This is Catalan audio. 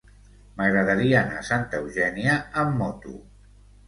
M'agradaria anar a Santa Eugènia amb moto.